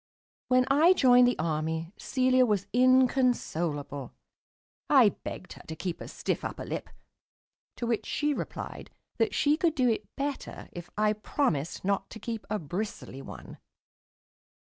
When I joined the Army, Celia was inconsolable. I begged her to keep a stiff upper lip, to which she replied that she could do it better if I promised not to keep a bristly one.